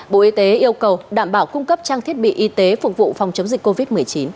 bộ y tế yêu cầu đảm bảo cung cấp trang thiết bị y tế phục vụ phòng chống dịch covid một mươi chín